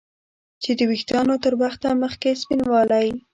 چې د ویښتانو تر وخته مخکې سپینوالی